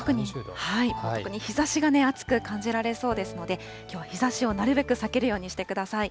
特に日ざしが暑く感じられそうですので、きょうは日ざしをなるべく避けるようにしてください。